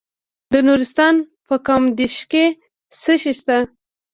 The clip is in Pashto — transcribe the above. د نورستان په کامدیش کې څه شی شته؟